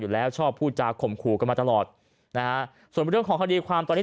ชอบพูดจาข่มขู่กันมาตลอดนะฮะส่วนเรื่องของคดีความตอนนี้